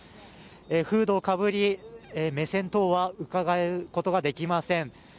フードをかぶり、目線等はうかがうことができません。